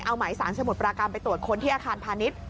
เอาหมายสารสมุทรปราการไปตรวจค้นที่อาคารพาณิชย์